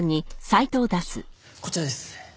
こちらです。